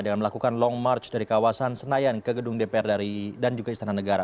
dengan melakukan long march dari kawasan senayan ke gedung dpr dan juga istana negara